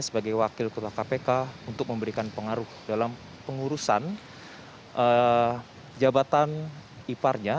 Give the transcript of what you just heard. sebagai wakil ketua kpk untuk memberikan pengaruh dalam pengurusan jabatan iparnya